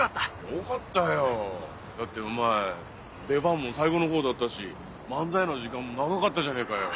よかったよだってお前出番も最後の方だったし漫才の時間も長かったじゃねえかよ。